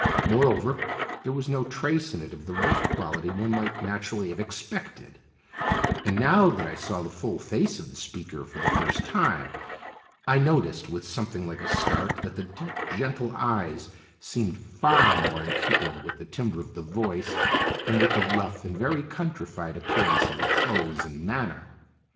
Moreover, there was no trace in it of the rough quality one might naturally have expected, and, now that I saw the full face of the speaker for the first time, I noted with something like a start that the deep, gentle eyes seemed far more in keeping with the timbre of the voice than with the rough and very countrified appearance of the clothes and manner.